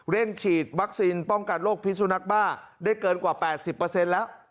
ฉีดวัคซีนป้องกันโรคพิสุนักบ้าได้เกินกว่า๘๐แล้ว